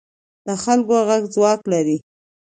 د خلکو غږ ځواک لري